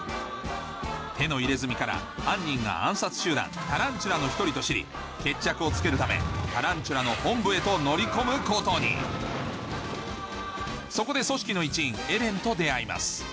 手の入れ墨から犯人が暗殺集団タランチュラの１人と知り決着をつけるためタランチュラの本部へと乗り込むことにそこで組織の一員エレンと出会います